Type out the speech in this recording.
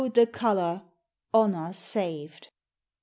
the COLOUR! HONOUR SAVED!"